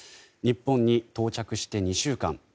日本に到着して２週間。